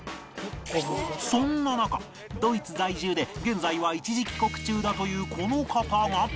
そんな中ドイツ在住で現在は一時帰国中だというこの方が